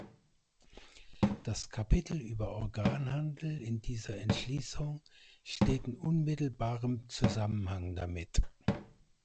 Das Kapitel über Organhandel in dieser Entschließung steht in unmittelbarem Zusammenhang damit.